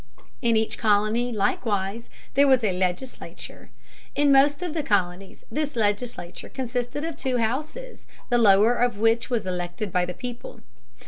In each colony, likewise, there was a legislature. In most of the colonies this legislature consisted of two houses, the lower of which was elected by the people.